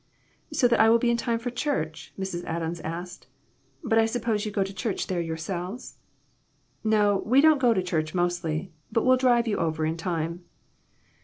"So that I will be in time for church?" Mrs. Adams asked. " But I suppose you go to church there yourselves." "No, we don't go to church mostly; but we'll drive you over in time."